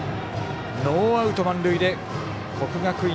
ノーアウト満塁で国学院